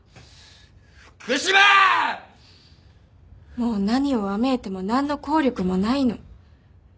もう何をわめいても何の効力もないの。